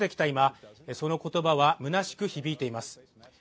今その言葉は虚しく響いています